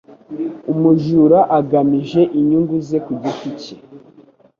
Umujura agamije inyungu ze ku giti ke